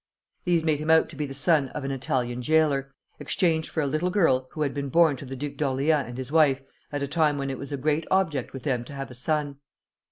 These made him out to be the son of an Italian jailer, exchanged for a little girl who had been born to the Duke of Orleans and his wife at a time when it was a great object with them to have a son.